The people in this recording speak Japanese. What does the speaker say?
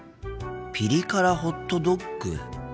ピリ辛ホットドッグ。